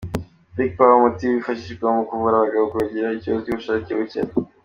Vigpower, umuti wifashishwa mu kuvura abagabo bagira ikibazo cy’ubushake buke.